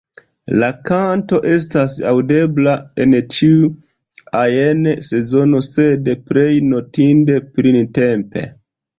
La kanto estas aŭdebla en ĉiu ajn sezono, sed plej notinde printempe.